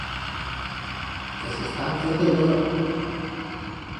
Que s'están fendo d'oro!